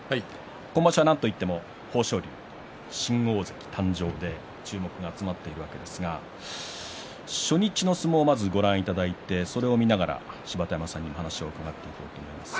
今場所はなんといっても豊昇龍新大関誕生で注目が集まっているわけですが初日の相撲をまずご覧いただいてそれを見ながら芝田山さんに話を伺っていこうと思います。